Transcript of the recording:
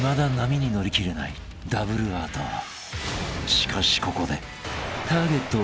［しかしここで］